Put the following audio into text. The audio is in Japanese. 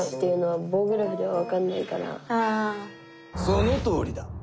そのとおりだ！